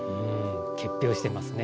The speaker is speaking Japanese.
結氷してますね。